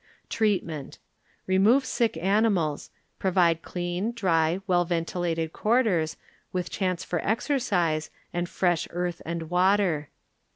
Treatment. ŌĆö Remove sick animals, pro vide clean, dry, well ventilated quarters, with chance for exercise, and fresh earth and water.